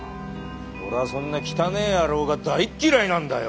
俺はそんな汚え野郎が大っ嫌いなんだよ！